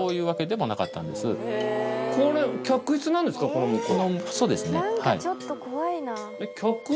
この向こう。